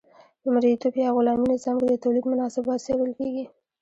په مرئیتوب یا غلامي نظام کې د تولید مناسبات څیړل کیږي.